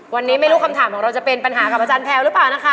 วันนี้ไม่รู้คำถามของเราจะเป็นปัญหากับอาจารย์แพลวหรือเปล่านะคะ